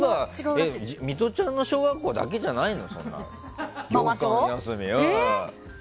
ミトちゃんの小学校だけじゃないの？